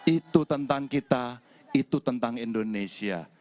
itu tentang kita itu tentang indonesia